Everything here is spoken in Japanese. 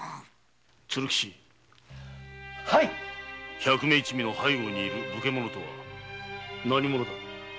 百目一味の背後にいる武家者とは何者だ。